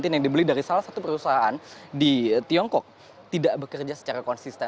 yang dibeli dari salah satu perusahaan di tiongkok tidak bekerja secara konsisten